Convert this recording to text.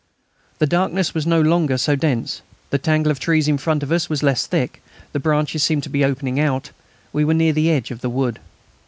The darkness was no longer so dense. The tangle of trees in front of us was less thick, the branches seemed to be opening out, we were near the edge of the wood.